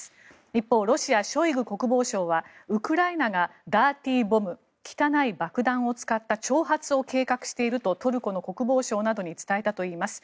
一方、ロシア、ショイグ国防相はウクライナがダーティーボム汚い爆弾を使った挑発を計画しているとトルコの国防相などに伝えたといいます。